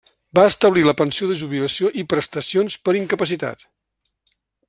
Va establir la pensió de jubilació i prestacions per incapacitat.